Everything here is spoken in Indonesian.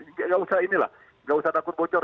nggak usah ini lah nggak usah takut bocor